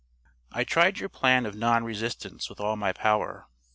"I tried your plan of non resistance with all my power.